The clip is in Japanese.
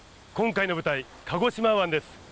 今回の舞台鹿児島湾です。